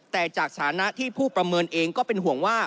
แต่จากฐานะที่ผู้ประเมินเองก็เป็นห่วงว่า